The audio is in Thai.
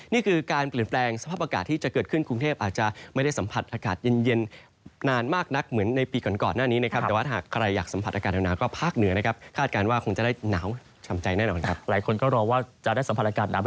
นี่คือการเปลี่ยนแปลงสภาพอากาศที่จะเกิดขึ้นกรุงเทพฯ